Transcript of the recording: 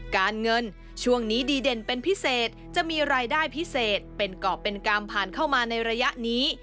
การเงินช่วงนี้ดีเด่นเป็นพิเศษจะมีรายได้พิเศษเป็นกรอบเป็นกรรมผ่านเข้ามาในระยะนี้